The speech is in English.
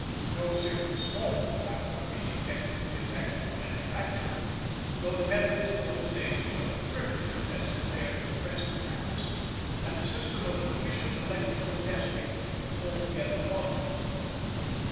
No serious fault could, however, be detected with its actual manufacture, though the methods of those days were primitive as compared with present practise, and a system of efficient electrical testing altogether wanting.